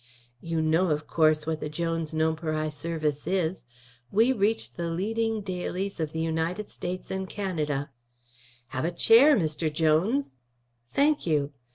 You know, of course, what the Jones Nonpareil service is. We reach the leading dailies of the United States and Canada " "Have a chair, Mr. Jones." "Thank you.